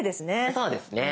そうですね。